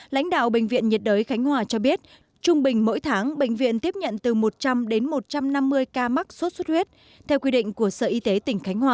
lãnh đạo bệnh viện nhiệt đới khánh hòa cho biết trung bình mỗi tháng bệnh viện tiếp nhận từ một trăm linh đến một trăm năm mươi ca mắc sốt xuất huyết